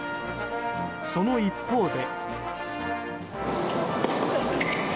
その一方で。